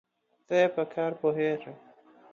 زه ئې په کار پوهېږم.